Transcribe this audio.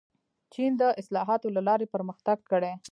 چین د اصلاحاتو له لارې پرمختګ کړی.